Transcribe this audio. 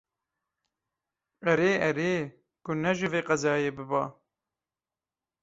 Erê, erê, ku ne ji vê qezayê biba